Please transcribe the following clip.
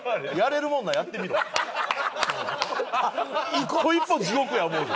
一歩一歩地獄や思うぞ。